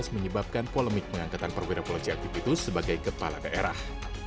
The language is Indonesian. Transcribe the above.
menyebabkan polemik pengangkatan perwira polisi aktivitas sebagai kepala daerah